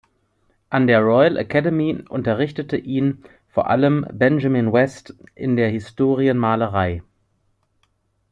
An der Royal Academy unterrichtete ihn vor allem Benjamin West in der Historienmalerei.